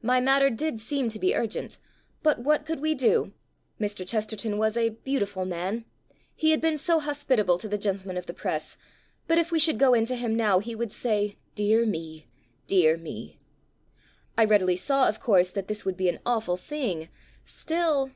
My matter did seem to be ur gent. But what could "we'.' do? Mr. Chesterton was a "beautiful man". He had been so hospitable to the gen tlemen of the press. But if we should go in to him now he would say, "Dear me! Dear me I" I readily saw, of course, that this would be an awful thing, still.